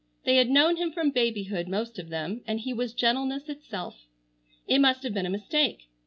They had known him from babyhood, most of them, and he was gentleness itself. It must have been a mistake.